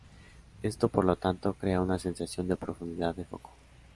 Esto, por lo tanto, crea una sensación de profundidad de foco.